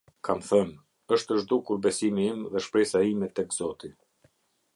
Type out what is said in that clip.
Kam thënë: "Éshtë zhdukur besimi im dhe shpresa ime tek Zoti".